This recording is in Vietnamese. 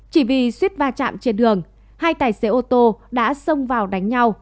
chỉ vì suýt va chạm trên đường hai tài xế ô tô đã xông vào đánh nhau